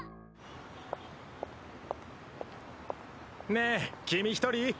ねえ君１人？